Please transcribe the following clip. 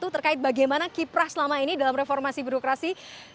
terkait bagaimana kiprah selama ini dalam reformasi birokrasi